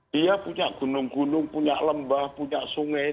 dia punya gunung gunung punya lembah punya sungai